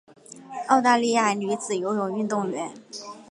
澳大利亚女子游泳运动员。